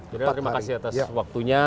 jadi terima kasih atas waktunya